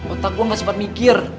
otak gue gak sempat mikir